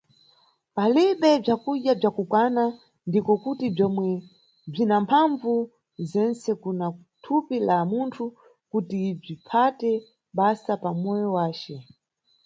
Palibe bzakudya bzakukwana ndiko kuti bzomwe bzina mphambvu zentse kuna thupi la munthu kuti bziphate basa pa moyo wace.